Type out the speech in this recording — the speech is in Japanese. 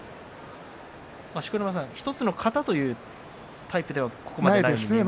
錣山さん、１つの型というタイプではないですね。